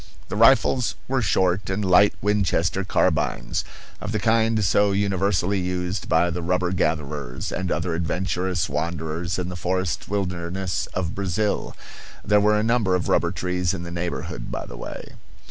The rifles were short and light Winchester carbines, of the kind so universally used by the rubber gatherers and other adventurous wanderers in the forest wilderness of Brazil. There were a number of rubber trees in the neighborhood, by the way.